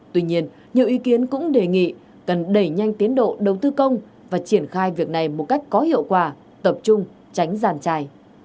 tuy nhiên nhiều ý kiến cũng đề nghị cần đẩy nhanh tiến độ đầu tư công và triển khai việc này một cách có hiệu quả tập trung tránh giàn trải